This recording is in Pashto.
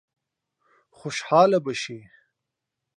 خوشاله به شي.